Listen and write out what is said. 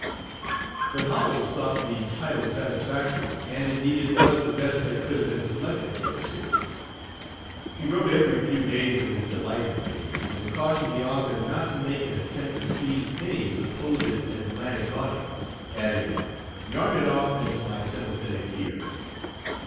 But Howells thought the title satisfactory, and indeed it was the best that could have been selected for the series. He wrote every few days of his delight in the papers, and cautioned the author not to make an attempt to please any "supposed Atlantic audience," adding, "Yarn it off into my sympathetic ear."